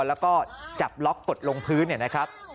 แล้วก็จับล็อกกดลงพื้นเนี่ยนะครับ